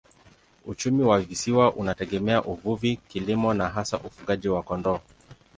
Uchumi wa visiwa unategemea uvuvi, kilimo na hasa ufugaji wa kondoo.